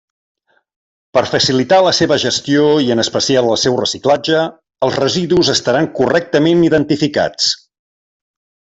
Per facilitar la seva gestió i en especial el seu reciclatge, els residus estaran correctament identificats.